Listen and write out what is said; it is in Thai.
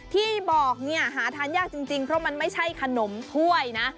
ที่บอกเนี่ยหาทานยากจริงเพราะมันไม่ใช่ขนมถ้วยนะ